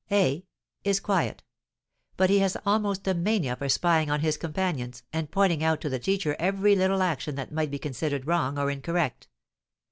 A: is quiet. But he has almost a mania for spying on his companions, and pointing out to the teacher every little action that might be considered wrong or incorrect.